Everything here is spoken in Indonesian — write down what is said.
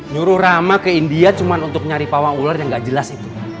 nyuruh rama ke india cuma untuk nyari pawang ular yang nggak jelas itu